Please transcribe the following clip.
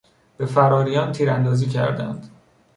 به فراریان تیر اندازی کردند.